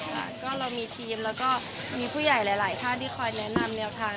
ค่ะก็เรามีทีมแล้วก็มีผู้ใหญ่หลายท่านที่คอยแนะนำแนวทาง